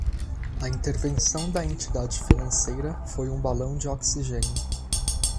A intervenção da entidade financeira foi um balão de oxigênio.